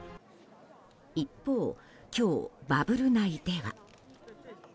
一方、今日、バブル内では。